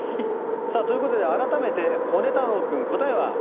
さあということで改めてホネ太郎君答えは？